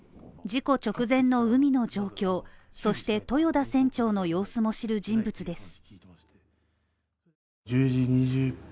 事故直前の海の状況、そして豊田船長の様子も知る人物です。